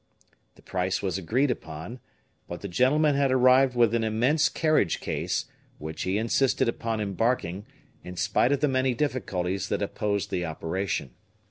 The price was agreed upon, but the gentleman had arrived with an immense carriage case, which he insisted upon embarking, in spite of the many difficulties that opposed the operation.